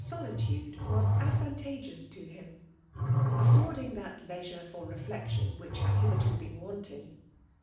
soKtude was ad van iagwila to him. AflEbrding that leisure fMr Joftecti(m .ivhich had hitherto been wanti»g> it